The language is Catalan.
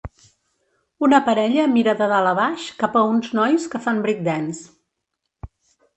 Una parella mira de dalt a baix cap a uns nois que fan break dance.